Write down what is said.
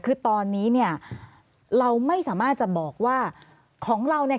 คือตอนนี้เนี่ยเราไม่สามารถจะบอกว่าของเราเนี่ย